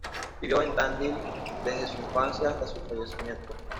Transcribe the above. Vivió en Tandil desde su infancia hasta su fallecimiento.